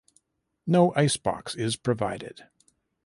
No icebox is provided.